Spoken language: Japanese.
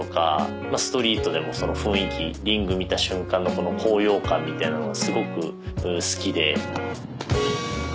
ストリートでもその雰囲気リング見た瞬間のこの高揚感みたいのがすごく好きで。